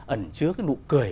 ẩn chứa cái nụ cười